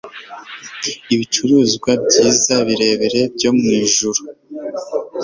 Ibicuruzwa byiza, birebire byo mwijuru